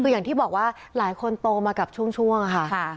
คืออย่างที่บอกว่าหลายคนโตมากับช่วงค่ะ